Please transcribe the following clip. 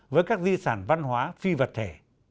với các di sản văn hóa phi vật thể